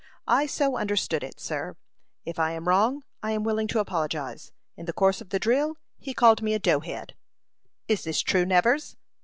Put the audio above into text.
I so understood it, sir; if I am wrong, I am willing to apologize. In the course of the drill he called me a dough head." "Is this true, Nevers?"